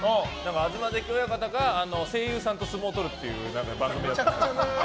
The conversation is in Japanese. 東関親方が声優さんと相撲をとるっていう番組を。